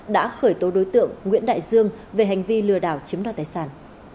đã khởi tố đối tượng nguyễn đại dương về hành vi lừa đảo chiếm đoạt tài sản